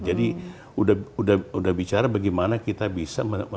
jadi sudah bicara bagaimana kita bisa mengembangkan